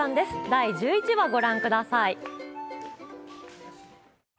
第１１話、ご覧ください。